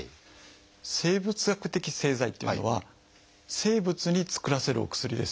生物学的製剤っていうのは生物に作らせるお薬です。